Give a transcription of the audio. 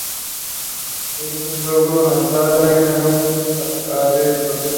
En su pueblo natal, Haina, ganó muchos adeptos.